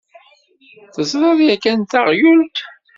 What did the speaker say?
Teẓriḍ yakan taɣyult?